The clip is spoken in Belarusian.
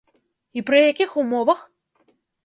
І пры якіх умовах?